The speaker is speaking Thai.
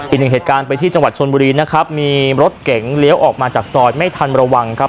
อีกหนึ่งเหตุการณ์ไปที่จังหวัดชนบุรีนะครับมีรถเก๋งเลี้ยวออกมาจากซอยไม่ทันระวังครับ